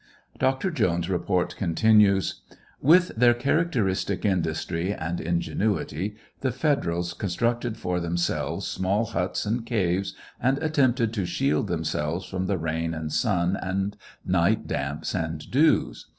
Dr. Jones's report continues : With their characteristic industrj' and ingenuity, the federals constructed for themselves small huts and caves, and attempted to shield themselves from the rain and sun, and night damps and dews.